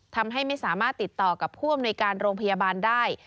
ทำให้ไม่สามารถติดต่อกับผู้อำนวยการโรงพยาบาลได้